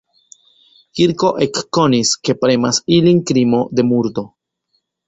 Kirko ekkonis, ke premas ilin krimo de murdo.